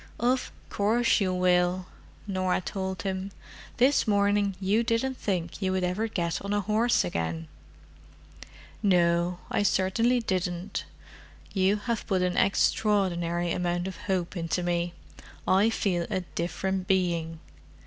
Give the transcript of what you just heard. "Of course you will," Norah told him. "This morning you didn't think you would ever get on a horse again." "No, I certainly didn't. You have put an extraordinary amount of hope into me: I feel a different being."